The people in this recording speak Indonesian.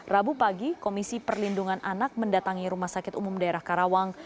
rabu pagi komisi perlindungan anak mendatangi rumah sakit umum daerah karawang